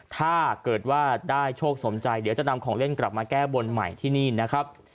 ถ้าเกิดว่าได้โชคสมใจเดี๋ยวจะนำของเล่นกลับมาแก้บนใหม่ที่นี่นะครับ